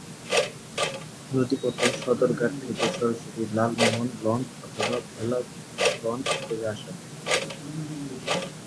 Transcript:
নদী পথে- সদরঘাট থেকে সরাসরি লালমোহন লঞ্চ অথবা ভোলা লঞ্চ যোগে আসাযায়।